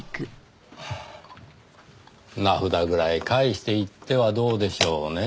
名札ぐらい返していってはどうでしょうねぇ。